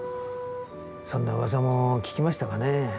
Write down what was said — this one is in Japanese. そんなうわさも聞きましたかね。